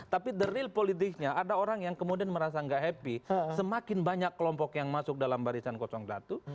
tapi the real politiknya ada orang yang kemudian merasa nggak happy semakin banyak kelompok yang masuk dalam barisan satu